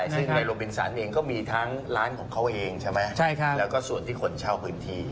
สิ่งในลบินสันมีทั้งร้านของเขาเองใช่มั้ยและส่วนที่คนเช่าพื้นที